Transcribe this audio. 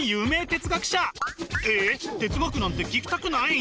哲学なんて聞きたくない？